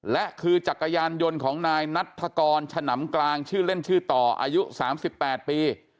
และคือจักรยานยนต์ของนายนัฐกรฉนำกลางชื่อเล่นชื่อต่ออายุ๓๘ปี